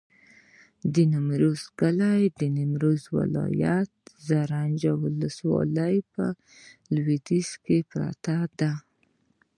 د نیمروز کلی د نیمروز ولایت، زرنج ولسوالي په لویدیځ کې پروت دی.